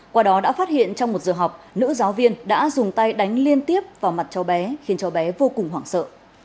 qua đó đã phát hiện trong một giờ học nữ giáo viên đã dùng tay đánh liên tiếp vào mặt cháu bé khiến cháu bé vô cùng hoảng sợ